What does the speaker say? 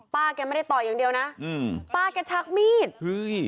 แกไม่ได้ต่อยอย่างเดียวนะอืมป้าแกชักมีดเฮ้ย